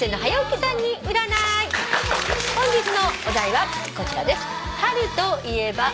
本日のお題はこちらです。